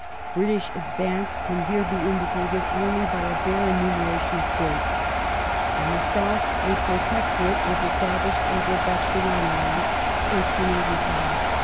British advance can here be indicated only by a bare enumeration of dates. In the South a Protectorate was established over Bechuanaland (1885).